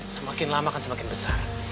semakin lama akan semakin besar